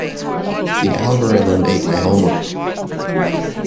The algorithm ate my homework.